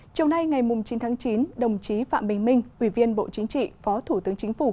chiều nay ngày chín tháng chín đồng chí phạm bình minh ủy viên bộ chính trị phó thủ tướng chính phủ